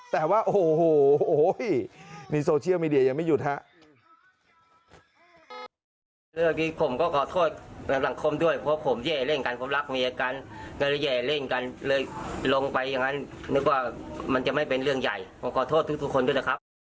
แต่ว่าโอ้โหในโซเชียลมีเดียยังไม่หยุดครับ